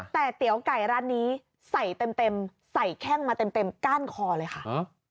แต่เตี๋ยวไก่ร้านนี้ใส่เต็มใส่แข้งมาเต็มก้านคอเลยค่ะ